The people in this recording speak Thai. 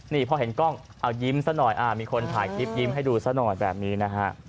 นี่พอเห็นกล้องเอายิ้มซะหน่อยมีคนถ่ายคลิปยิ้มให้ดูซะหน่อยแบบนี้นะฮะ